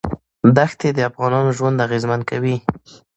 ښتې د افغانانو ژوند اغېزمن کوي.